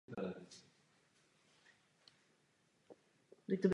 Albrecht zastával úřad královského prokurátora a rady.